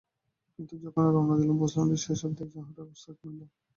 কিন্তু যখনই রওনা দিলাম বুঝলাম যে, শেষ অবধি একজন হাঁটার ওস্তাদ মিলল।